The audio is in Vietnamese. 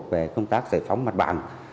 về công tác giải phóng mặt bằng